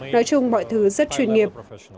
nói chung mọi thứ rất chuyên nghiệp